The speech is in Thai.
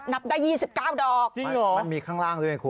นับได้๒๙ดอกจริงมันมีข้างล่างด้วยไงคุณ